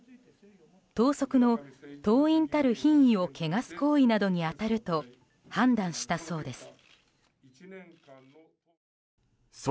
党則の、党員たる品位を汚す行為などに当たると判断したそうです。